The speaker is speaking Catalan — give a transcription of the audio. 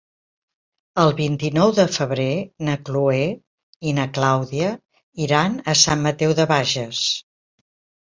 El vint-i-nou de febrer na Chloé i na Clàudia iran a Sant Mateu de Bages.